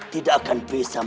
tidak akan bisa menanggapmu